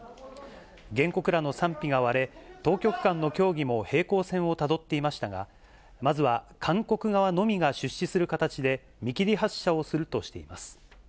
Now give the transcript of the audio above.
原告らの賛否が割れ、当局間の協議も平行線をたどっていましたが、まずは韓国側のみが出資する形で見切り発車をするとしています。